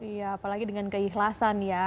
iya apalagi dengan keikhlasan ya